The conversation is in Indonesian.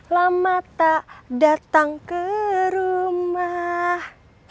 lama tak datang ke rumah